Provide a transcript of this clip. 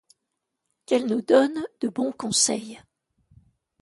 Qu'elle nous donne de bons conseils!